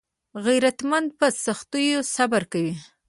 غیرتمند په سختیو صبر کوي